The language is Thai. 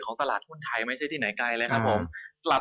ของตลาดหุ้นไทยไม่ได้ที่ไหนไกล